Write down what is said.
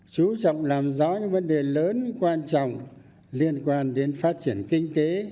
chú trọng làm rõ những vấn đề lớn quan trọng liên quan đến phát triển kinh tế